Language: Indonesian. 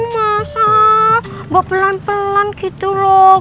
mas al bawa pelan pelan gitu loh